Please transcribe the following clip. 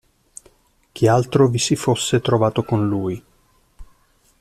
Chi altro vi si fosse trovato con lui.